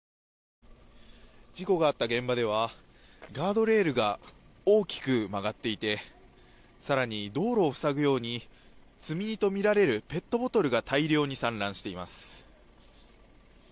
事故があった現場ではガードレールが大きく曲がっていて更に道路を塞ぐように積み荷とみられるペットボトルが大量に散乱しています。